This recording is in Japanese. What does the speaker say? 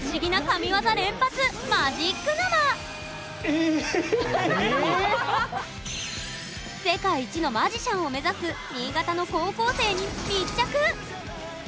ここからは世界一のマジシャンを目指す新潟の高校生に密着！